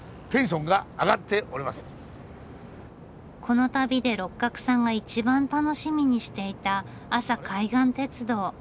この旅で六角さんが一番楽しみにしていた阿佐海岸鉄道。